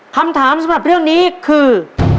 คำถามสำหรับเรื่องนี้คือ